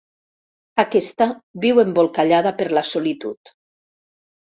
Aquesta viu embolcallada per la solitud.